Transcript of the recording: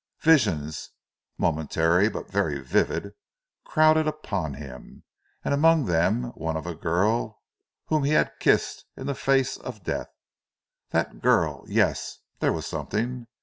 Visions, momentary but very vivid, crowded upon him, and among them, one of a girl whom he had kissed in the face of death. That girl Yes, there was something.